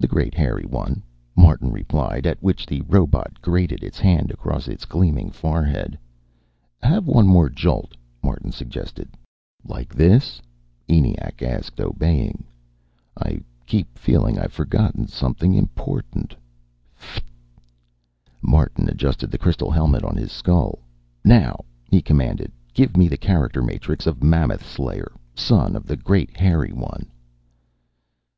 "The Great Hairy One," Martin replied, at which the robot grated its hand across its gleaming forehead. "Have one more jolt," Martin suggested. "Now take out the ecologizer and put it on my head." "Like this?" ENIAC asked, obeying. "I keep feeling I've forgotten something important. F (t)." Martin adjusted the crystal helmet on his skull. "Now," he commanded. "Give me the character matrix of Mammoth Slayer, son of the Great Hairy One."